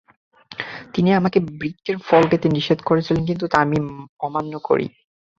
তিনি আমাকে বৃক্ষের ফল খেতে নিষেধ করেছিলেন, কিন্তু আমি তা অমান্য করি।